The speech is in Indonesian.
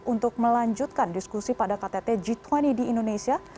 untuk melanjutkan diskusi pada ktt g dua puluh di indonesia